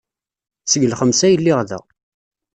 Seg lxemsa ay lliɣ da.